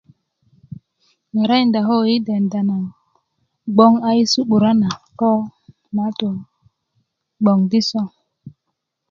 ŋarakinda koo yi denda na gboŋ a yesu 'bura' na gboŋ diso